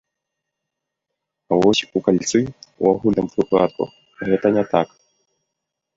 А вось у кальцы, у агульным выпадку, гэта не так.